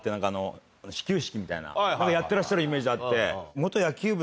やってらっしゃるイメージあって。